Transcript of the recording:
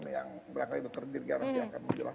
yang berakhir berterbit garanti akan